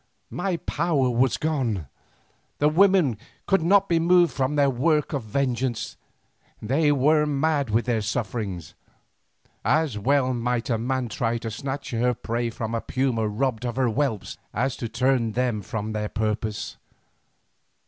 My power was gone. The women could not be moved from their work of vengeance; they were mad with their sufferings. As well might a man try to snatch her prey from a puma robbed of her whelps, as to turn them from their purpose.